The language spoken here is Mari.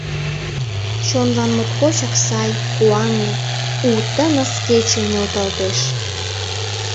Чонлан моткочак сай, куанле: У, тыныс кече нӧлталтеш.